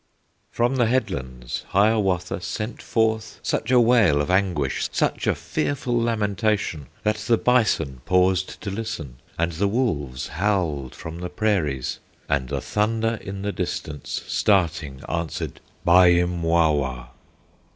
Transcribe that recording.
From the headlands Hiawatha Sent forth such a wail of anguish, Such a fearful lamentation, That the bison paused to listen, And the wolves howled from the prairies, And the thunder in the distance Starting answered "Baim wawa!"